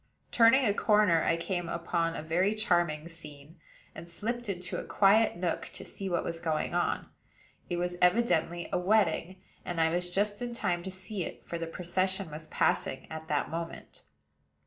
Turning a corner, I came upon a very charming scene, and slipped into a quiet nook to see what was going on. It was evidently a wedding; and I was just in time to see it, for the procession was passing at that moment.